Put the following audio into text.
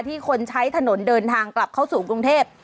คนใช้ถนนเดินทางกลับเข้าสู่กรุงเทพ